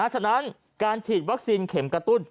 ฉะนั้นการฉีดวัคซีนเข็มกระตุ้น